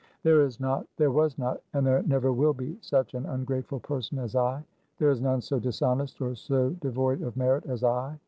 1 There is not, there was not, and there never will be such an ungrateful person as I. There is none so dishonest or so devoid of merit as I.